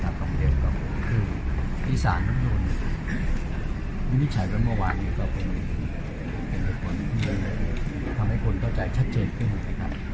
คันธรรมเดียวก็คืออีศาลน้ำโดนมิจฉัยเมื่อวานก็เป็นคนที่ทำให้คนเข้าใจชัดเจนขึ้นไหมครับ